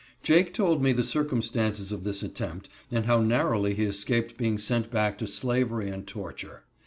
Jake told me the circumstances of this attempt, and how narrowly he escaped being sent back to slavery and torture.